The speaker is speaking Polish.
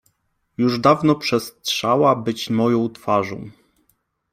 Już dawno przestrzała być moją twarzą.